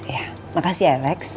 ya makasih ya lex